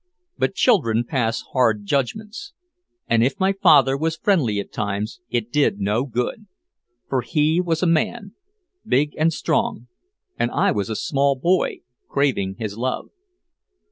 But children pass hard judgments. And if my father was friendly at times it did no good. For he was a man big and strong and I was a small boy craving his love.